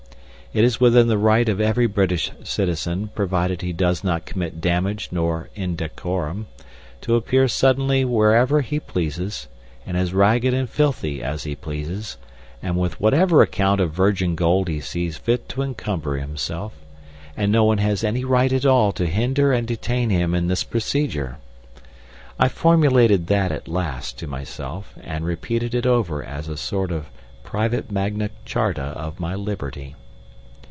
It is within the right of every British citizen, provided he does not commit damage nor indecorum, to appear suddenly wherever he pleases, and as ragged and filthy as he pleases, and with whatever amount of virgin gold he sees fit to encumber himself, and no one has any right at all to hinder and detain him in this procedure. I formulated that at last to myself, and repeated it over as a sort of private Magna Charta of my liberty.